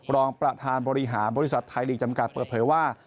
รองประธานบริหารบริษัทไทยลีกจำกัดเปิดเผยว่า